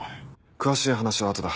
詳しい話は後だ